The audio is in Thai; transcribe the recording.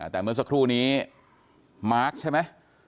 แต่เมื่อสักครู่นี้มาร์คใช่ไหม